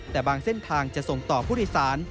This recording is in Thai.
แต่บางเส้นทางจะส่งต่อผู้โดยสาร